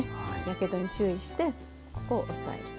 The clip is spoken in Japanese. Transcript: やけどに注意してここを押さえる。